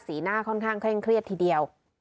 หน้าค่อนข้างเคร่งเครียดทีเดียว